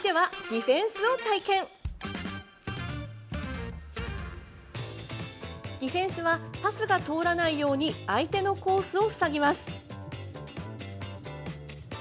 ディフェンスはパスが通らないように相手のコースを塞ぎます。